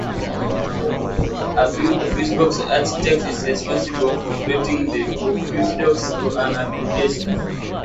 A Fusebox architect is responsible for creating the FuseDocs for an application.